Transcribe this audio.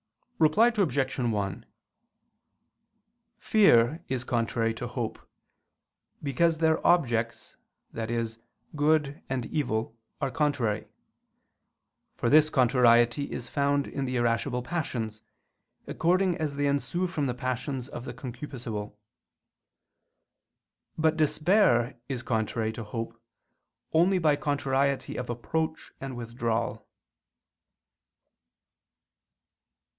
Reply Obj. 1: Fear is contrary to hope, because their objects, i.e. good and evil, are contrary: for this contrariety is found in the irascible passions, according as they ensue from the passions of the concupiscible. But despair is contrary to hope, only by contrariety of approach and withdrawal.